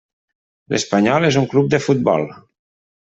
L'Espanyol és un club de futbol.